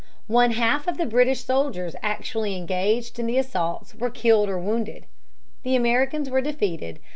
One half of the British soldiers actually engaged in the assaults were killed or wounded. The Americans were defeated.